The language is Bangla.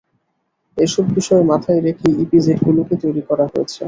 এসব বিষয় মাথায় রেখেই ইপিজেডগুলোকে তৈরি করা হয়েছে।